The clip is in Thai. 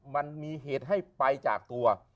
มันมีเหตุให้ไปจากตัว